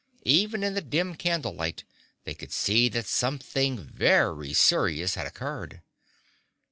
Even in the dim candle light they could see that something very serious had occurred.